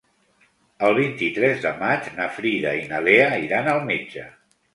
El vint-i-tres de maig na Frida i na Lea iran al metge.